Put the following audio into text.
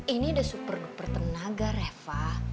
ini udah super duper tenaga reva